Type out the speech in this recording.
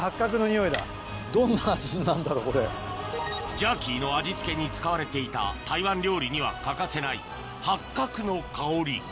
ジャーキーの味付けに使われていた台湾料理には欠かせない八角の香り